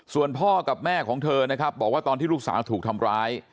ส่วนพ่อกับแม่ของเธอนะครับบอกว่าตอนที่ลูกสาวถูกทำร้าย